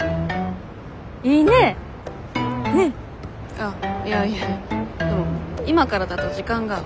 あっいやいやでも今からだと時間が。